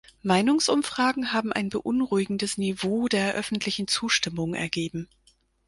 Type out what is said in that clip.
Meinungsumfragen haben ein beunruhigendes Niveau der öffentlichen Zustimmung ergeben.